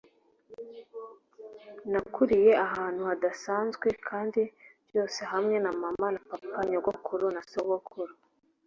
nakuriye ahantu hadasanzwe kandi byose hamwe na mama na papa, nyogokuru na sogokuru